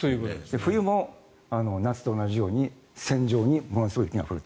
冬も雪と同じように線状にものすごい雪が降ると。